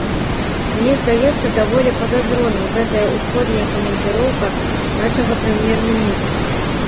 Мне здаецца даволі падазроным гэтая ўсходняя камандзіроўка нашага прэм'ер-міністра.